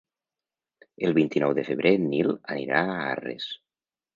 El vint-i-nou de febrer en Nil anirà a Arres.